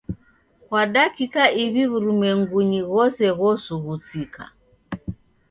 Kwa dakika iw'I w'urumwengu ghose ghosughusika.